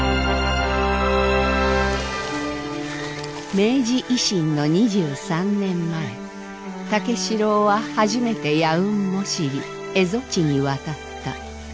明治維新の２３年前武四郎は初めてヤウンモシリ蝦夷地に渡った。